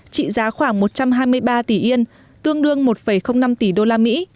trị giá khoảng một trăm hai mươi ba tỷ yên tương đương một năm tỷ usd